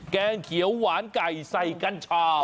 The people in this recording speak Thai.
แกงเขียวหวานไก่ใส่กัญชา